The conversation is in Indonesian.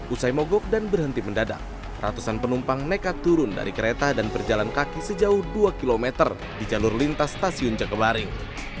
usai mogok dan berhenti mendadak ratusan penumpang nekat turun dari kereta dan berjalan kaki sejauh dua km di jalur lintas stasiun jakabaring